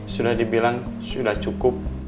sudah dibilang sudah cukup